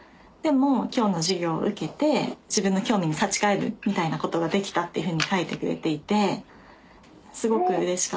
でも今日の授業を受けて自分の興味に立ち返るみたいなことができたっていうふうに書いてくれていて。